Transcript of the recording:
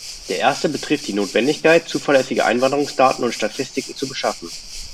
Der Erste betrifft die Notwendigkeit, zuverlässige Einwanderungsdaten und -statistiken zu beschaffen.